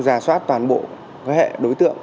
rà soát toàn bộ với hệ đối tượng